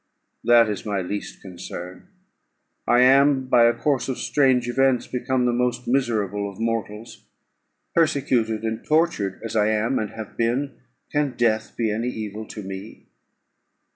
"That is my least concern: I am, by a course of strange events, become the most miserable of mortals. Persecuted and tortured as I am and have been, can death be any evil to me?"